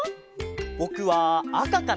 ぼくはあかかな！